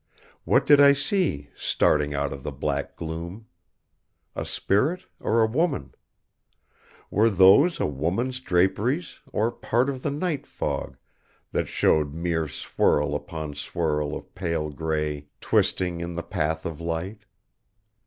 What did I see, starting out of the black gloom? A spirit or a woman? Were those a woman's draperies or part of the night fog that showed mere swirl upon swirl of pale gray twisting in the path of light?